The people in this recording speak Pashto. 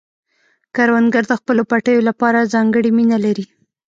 کروندګر د خپلو پټیو لپاره ځانګړې مینه لري